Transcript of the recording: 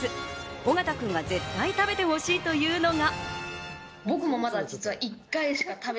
緒方君が絶対食べてほしいというのが。